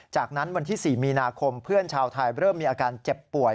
จากนั้นวันที่๔มีนาคมเพื่อนชาวไทยเริ่มมีอาการเจ็บป่วย